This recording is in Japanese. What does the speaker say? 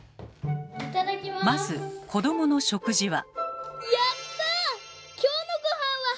まず子どもの食事は。